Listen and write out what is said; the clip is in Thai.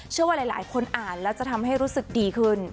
เชื่อว่าหลายคนอ่านแล้วจะทำให้รู้สึกดีขึ้น